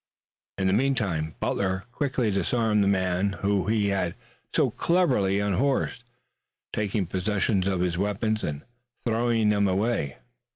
In the meantime Butler had quickly disarmed the man whom he had so cleverly unhorsed, taking possession of his weapons and throwing them away.